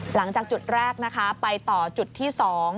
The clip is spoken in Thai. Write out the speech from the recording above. หลังจากจุดแรกไปต่อจุดที่สอง